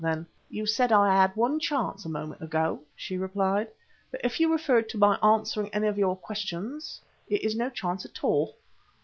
Then "You said I had one chance a moment ago," she replied. "But if you referred to my answering any of your questions, it is no chance at all.